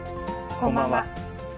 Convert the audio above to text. こんばんは。